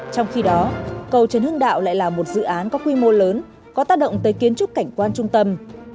trong khi đó cầu trần hưng đạo lại là một dự án có quy mô lớn có tác động tới kiến trúc cảnh quan trung tâm